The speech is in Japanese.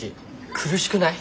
苦しくない？